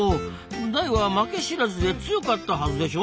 ダイは負け知らずで強かったはずでしょ。